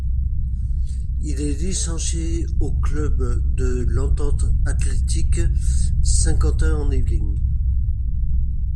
Il est licencié au club de l'Entente Athlétique Saint-Quentin-en-Yvelines.